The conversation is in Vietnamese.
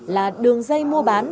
là đường dây mua bán